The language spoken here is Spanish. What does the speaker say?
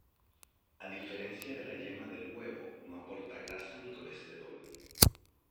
A diferencia de la yema del huevo, no aporta grasa ni colesterol.